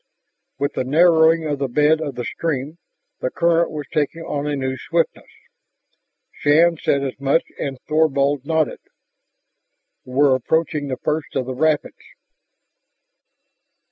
With the narrowing of the bed of the stream, the current was taking on a new swiftness. Shann said as much and Thorvald nodded. "We're approaching the first of the rapids."